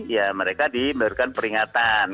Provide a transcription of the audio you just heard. ya mereka diberikan peringatan